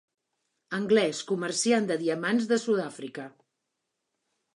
Anglès, comerciant de diamants de Sud-àfrica.